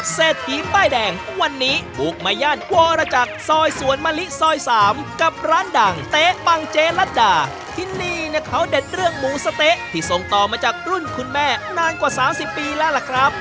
เศรษฐีป้ายแดงวันนี้บุกมาย่านวรจักรซอยสวนมะลิซอยสามกับร้านดังเต๊ะปังเจลัดดาที่นี่เนี่ยเขาเด็ดเรื่องหมูสะเต๊ะที่ส่งต่อมาจากรุ่นคุณแม่นานกว่าสามสิบปีแล้วล่ะครับ